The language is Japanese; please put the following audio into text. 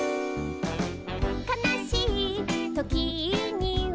「かなしいときには」